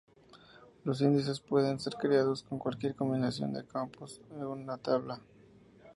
Los índices pueden ser creados con cualquier combinación de campos de una tabla.